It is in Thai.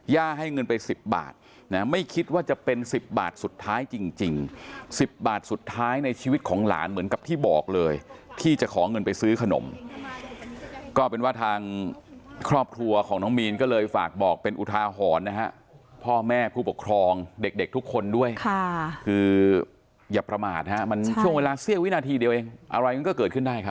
ให้เงินไป๑๐บาทนะไม่คิดว่าจะเป็น๑๐บาทสุดท้ายจริง๑๐บาทสุดท้ายในชีวิตของหลานเหมือนกับที่บอกเลยที่จะขอเงินไปซื้อขนมก็เป็นว่าทางครอบครัวของน้องมีนก็เลยฝากบอกเป็นอุทาหรณ์นะฮะพ่อแม่ผู้ปกครองเด็กเด็กทุกคนด้วยค่ะคืออย่าประมาทมันช่วงเวลาเสี้ยววินาทีเดียวเองอะไรมันก็เกิดขึ้นได้ครับ